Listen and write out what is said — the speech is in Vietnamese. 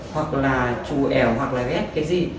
hoặc là chù ẻo hoặc là ghét cái gì